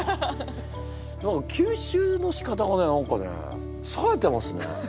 何か吸収のしかたがね何かねさえてますね。